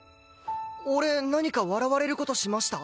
俺何か笑われる事しました？